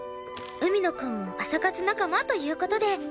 海野くんも朝活仲間という事で。